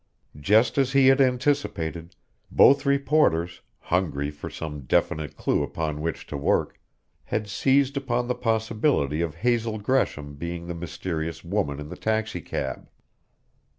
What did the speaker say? Just as he had anticipated, both reporters, hungry for some definite clue upon which to work, had seized upon the possibility of Hazel Gresham being the mysterious woman in the taxicab.